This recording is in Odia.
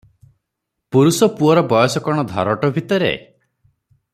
ପୁରୁଷ ପୁଅର ବୟସ କଣ ଧରୋଟ ଭିତରେ?